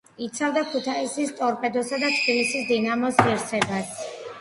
იცავდა ქუთაისის „ტორპედოსა“ და თბილისის „დინამოს“ ღირსებას.